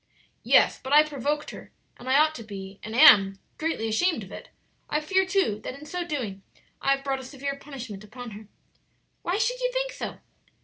"Yes; but I provoked her, and I ought to be, and am, greatly ashamed of it. I fear, too, that in so doing I have brought a severe punishment upon her." "Why should you think so?"